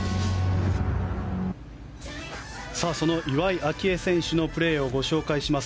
その岩井明愛選手のプレーをご紹介します。